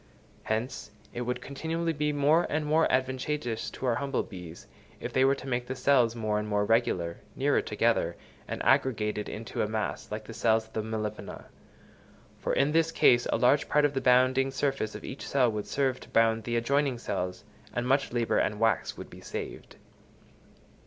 Hence, it would continually be more and more advantageous to our humble bees, if they were to make their cells more and more regular, nearer together, and aggregated into a mass, like the cells of the Melipona; for in this case a large part of the bounding surface of each cell would serve to bound the adjoining cells, and much labour and wax would be saved.